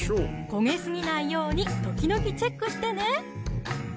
焦げすぎないように時々チェックしてね！